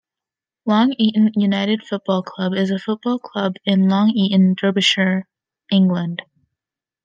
Long Eaton United Football Club is a football club in Long Eaton, Derbyshire, England.